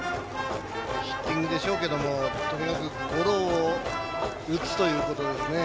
ヒッティングでしょうけどもとにかくゴロを打つということですね。